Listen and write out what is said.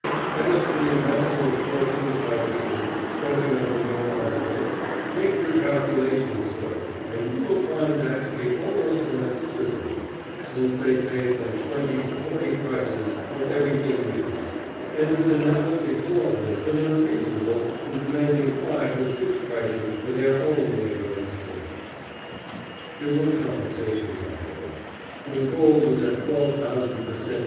As to the amassing of fortunes by teachers, spoken of in your article, make your calculations, sir, and you will find that to be almost an absurdity, since they pay from twenty to forty prices for everything used, and are denounced exorbitant and unreasonable in demanding five or six prices for their own labor and skill." There were compensations, however. When gold was at twelve thousand per cent.